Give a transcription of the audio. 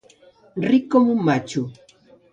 Ric com un matxo.